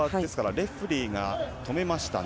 レフェリーが止めましたね。